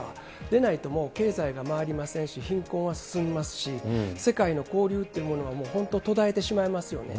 出ないともう、経済が回りませんし、貧困は進みますし、世界の交流っていうものはもう本当、途絶えてしまいますよね。